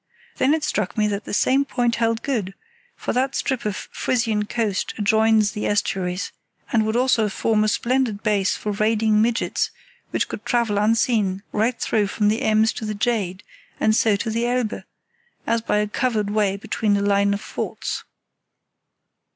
Then it struck me that the same point held good, for that strip of Frisian coast adjoins the estuaries, and would also form a splendid base for raiding midgets, which could travel unseen right through from the Ems to the Jade, and so to the Elbe, as by a covered way between a line of forts.